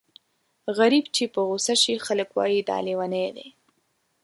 غريب چې په غوسه شي خلک وايي دا لېونی دی.